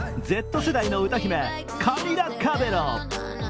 Ｚ世代の歌姫、カミラ・カベロ。